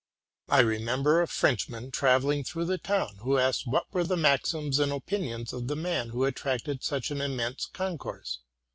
I remember a Frenchman travelling through the town, who asked what were the maxims and opinions of the man who attracted such an immense con course.